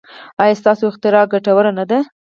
ایا ستاسو اختراع ګټوره نه ده؟